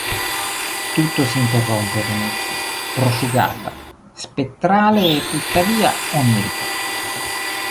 Tutto si interrompe a Venezia, prosciugata, spettrale e tuttavia onirica.